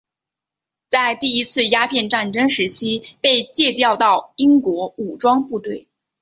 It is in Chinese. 在第一次鸦片战争时期被借调到英国武装部队。